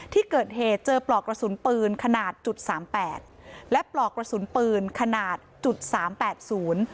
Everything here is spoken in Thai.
ที่เกิดเหตุเจอปลอกกระสุนปืนขนาดจุดสามแปดและปลอกกระสุนปืนขนาดจุดสามแปดศูนย์